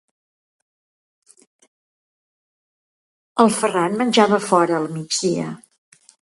El Ferran menjava fora al migdia?